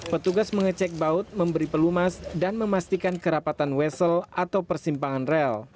petugas mengecek baut memberi pelumas dan memastikan kerapatan wesel atau persimpangan rel